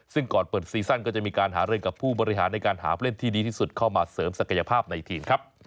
ซึ่งก่อนเปิดซีซั่นก็จะมีการหารือกับผู้บริหารในการหาผู้เล่นที่ดีที่สุดเข้ามาเสริมศักยภาพในทีมครับ